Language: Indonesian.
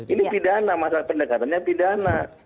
ini pidana masalah pendekatannya pidana